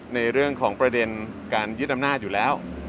ในเรื่องของประเด็นการยึดอำนาจอยู่แล้ว